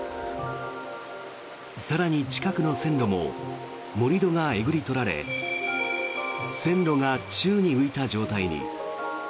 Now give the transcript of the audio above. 更に近くの線路も盛り土がえぐり取られ線路が宙に浮いた状態に。